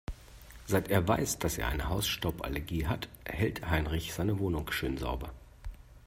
Seit er weiß, dass er eine Hausstauballergie hat, hält Heinrich seine Wohnung schön sauber.